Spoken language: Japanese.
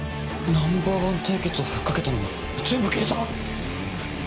ナンバーワン対決をふっかけたのも全部計算？